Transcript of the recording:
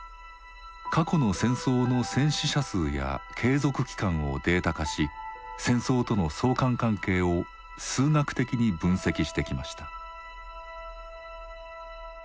過去の戦争の戦死者数や継続期間をデータ化し戦争との相関関係を数学的に分析してきました。